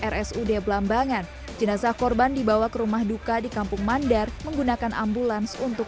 rsud belambangan jenazah korban dibawa ke rumah duka di kampung mandar menggunakan ambulans untuk